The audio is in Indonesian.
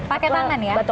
pakai tangan ya